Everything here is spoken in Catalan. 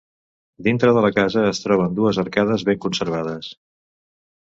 Dintre de la casa es troben dues arcades ben conservades.